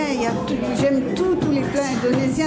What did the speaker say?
saya suka semua kue indonesia